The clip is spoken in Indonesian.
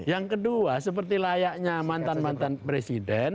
yang kedua seperti layaknya mantan mantan presiden